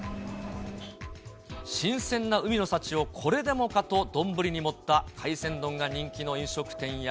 新鮮な海の幸をこれでもかと丼に盛った海鮮丼が人気の飲食店や。